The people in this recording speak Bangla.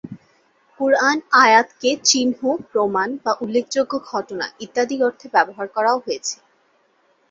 কুরআন "আয়াত"কে "চিহ্ন", "প্রমাণ," বা "উল্লেখযোগ্য ঘটনা" ইত্যাদি অর্থে ব্যবহার করাও হয়েছে।